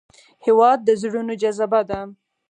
هېواد د زړونو جذبه ده.